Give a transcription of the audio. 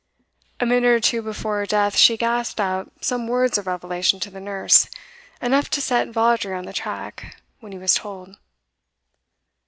A minute or two before her death she gasped out some words of revelation to the nurse, enough to set Vawdrey on the track, when he was told.